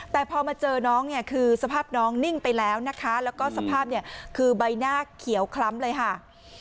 แต่พอมาเจอน้องเนี่ยคือสภาพน้องนิ่งไปแล้วนะคะแล้วก็สภาพเนี่ยคือใบหน้าเขียวคล้ำเลยค่ะ